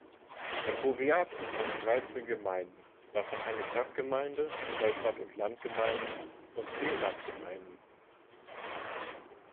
Der Powiat umfasst dreizehn Gemeinden, davon eine Stadtgemeinde, zwei Stadt-und-Land-Gemeinden und zehn Landgemeinden.